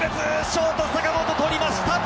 ショートの坂本とりました！